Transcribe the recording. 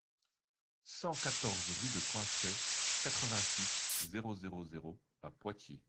cent quatorze rue de Quinçay, quatre-vingt-six, zéro zéro zéro à Poitiers